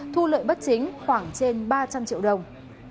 thu lợi bất chính khoảng trên ba trăm linh triệu đồng